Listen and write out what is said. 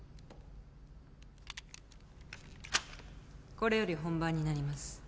これより本番になります。